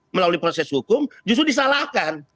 melalui proses hukum justru disalahkan